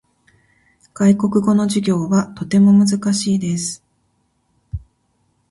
外国語の授業はとても難しいです。